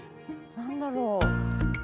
何だろう？